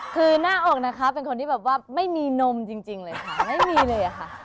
คือหน้าอกนะคะเป็นคนที่แบบว่าไม่มีนมจริงเลยค่ะไม่มีเลยอะค่ะ